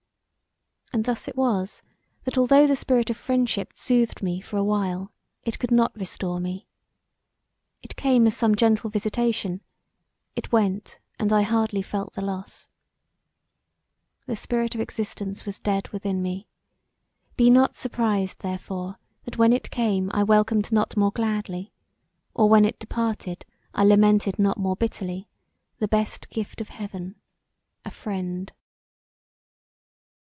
And thus it was that although the spirit of friendship soothed me for a while it could not restore me. It came as some gentle visitation; it went and I hardly felt the loss. The spirit of existence was dead within me; be not surprised therefore that when it came I welcomed not more gladly, or when it departed I lamented not more bitterly the best gift of heaven a friend.